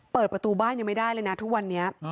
เปิดประตูบ้านยังไม่ได้เลยนะทุกวันนี้